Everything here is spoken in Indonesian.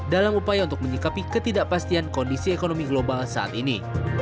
dalam upaya untuk menyikapi ketidakpastian kondisi ekonomi global saat ini